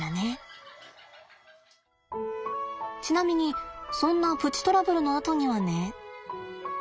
ちなみにそんなプチトラブルのあとにはね。